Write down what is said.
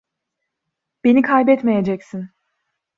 Beni kaybetmeyeceksin.